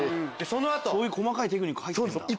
そういう細かいテクニック入ってるんだ。